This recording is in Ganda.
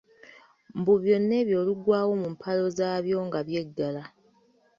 Mbu byonna ebyo oluggwaayo mu mpalo zaabyo nga byeggala.